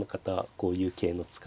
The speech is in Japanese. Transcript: こういう桂の使い方